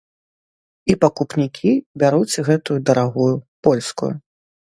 І пакупнікі бяруць гэтую дарагую, польскую.